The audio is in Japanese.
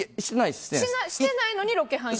してないのにロケハン？